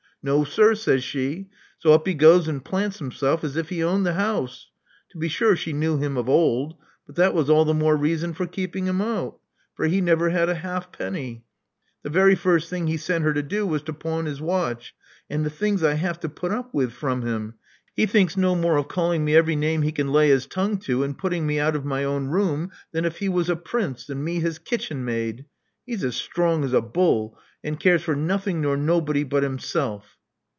No, sir," says she. So up he goes and plants himself as if he owned the house. To be sure she knew him of old ; but that was all the more reason for keeping him out; for he never had a half penny. The very first thing he sent her to do was to pawn his watch. And the things I have to put up with from him! He thinks no more of calling me every name he can lay his tongue to, and putting me out of my own room than if he was a prince, and me his kitchen maid. He's as strong as a bull, and cares for nothing nor nobody but himself."